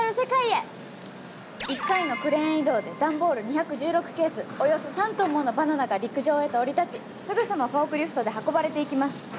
１回のクレーン移動で段ボール２１６ケースおよそ３トンものバナナが陸上へと降り立ちすぐさまフォークリフトで運ばれていきます！